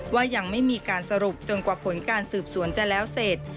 ว่ายังไม่มีการสรุปจนกว่าผลการสืบสวนจะแล้วเสร็จ